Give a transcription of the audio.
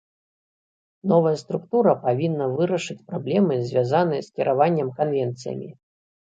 Новая структура павінна вырашыць праблемы, звязаныя з кіраваннем канвенцыямі.